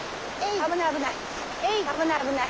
危ない危ない。